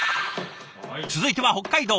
続いては北海道。